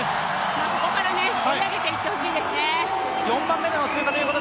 ここから追い上げていってほしいですね。